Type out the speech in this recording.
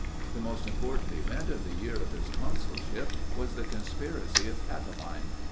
The most important event of the year of his consulship was the conspiracy of Catiline.